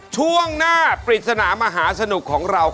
ช่วงหน้าปริศนามหาสนุกของเรา